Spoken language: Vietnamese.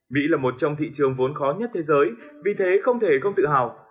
mỹ là một trong thị trường vốn khó nhất thế giới vì thế không thể không tự hào